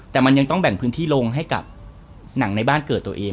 แต่มันยังต้องแบ่งพื้นที่ลงให้กับหนังในบ้านเกิดตัวเอง